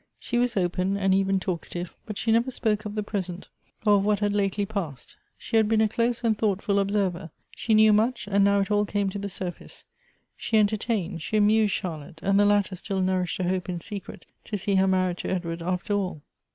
She was open, and even talka tive, but she never spoke of the present, or of what had lately past. She had been a close and thoughtful ob server. She knew much, and now it all came to the sur face. She entertained, she amused Charlotte, and the latter still nourished a hope in secret to see her married to Edward after all.